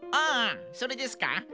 あそれですか？